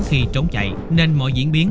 khi trốn chạy nên mọi diễn biến